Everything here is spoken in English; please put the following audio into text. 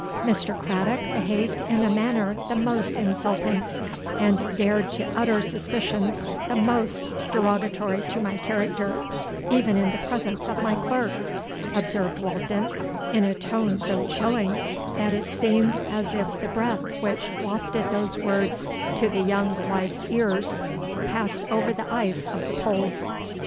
'—'Mr. Craddock behaved in a manner the most insulting, and dared to utter suspicions the must derogatory to my character, even in the presence of my clerks,' observed Walkden, in a tone so chilling that it seemed as if the breath which wafted those words to the young wife's ears, passed over the ice of the poles.